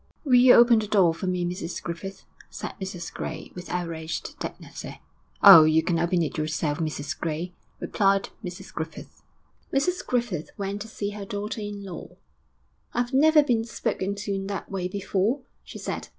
'Will you open the door for me, Mrs Griffith?' said Mrs Gray, with outraged dignity. 'Oh, you can open it yourself, Mrs Gray!' replied Mrs Griffith. XI Mrs Griffith went to see her daughter in law. 'I've never been spoken to in that way before,' she said.